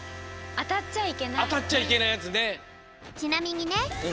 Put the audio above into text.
あたっちゃいけないやつね。